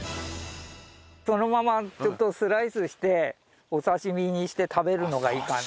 そのままスライスしてお刺身にして食べるのがいいかな。